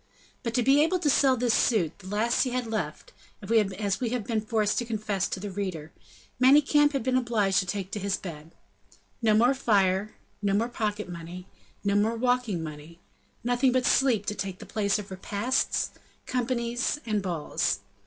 But to be able to sell this suit, the last he had left, as we have been forced to confess to the reader Manicamp had been obliged to take to his bed. No more fire, no more pocket money, no more walking money, nothing but sleep to take the place of repasts, companies and balls.